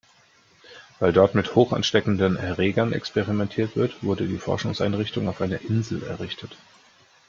Weil dort mit hochansteckenden Erregern experimentiert wird, wurde die Forschungseinrichtung auf einer Insel errichtet.